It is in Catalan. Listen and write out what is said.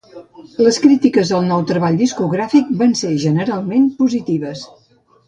Les crítiques al nou treball discogràfic van ser generalment positives.